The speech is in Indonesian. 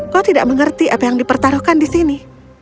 kau tidak mengerti apa yang dipertaruhkan di sini